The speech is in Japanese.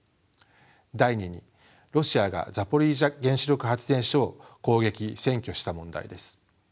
第２にロシアがザポリージャ原子力発電所を攻撃占拠した問題です。